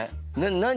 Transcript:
何？